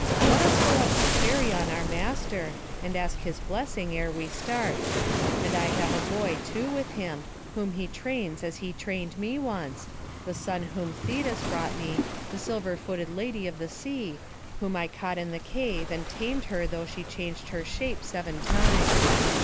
Let us go up to Cheiron our master, and ask his blessing ere we start. And I have a boy, too, with him, whom he trains as he trained me once, the son whom Thetis brought me, the silver footed lady of the sea, whom I caught in the cave, and tamed her though she changed her shape seven times.